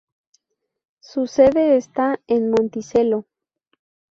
Su sede está en Monticello.